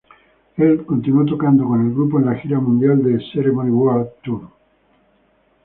Él continuó tocando con el grupo en la gira mundial de "Ceremony world" tour.